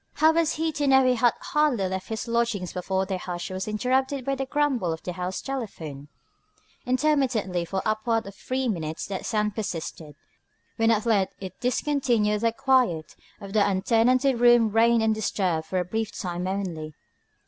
How was he to know he had hardly left his lodgings before their hush was interrupted by the grumble of the house telephone? Intermittently for upward of three minutes that sound persisted. When at length it discontinued the quiet of the untenanted rooms reigned undisturbed for a brief time only.